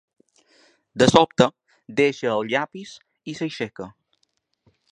De sobte, deixa el llapis i s’aixeca.